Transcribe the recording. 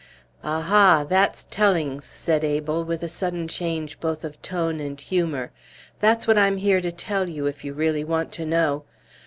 "Aha! that's tellings," said Abel, with a sudden change both of tone and humor; "that's what I'm here to tell you, if you really want to know!